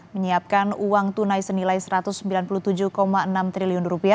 menyiapkan uang tunai senilai rp satu ratus sembilan puluh tujuh enam triliun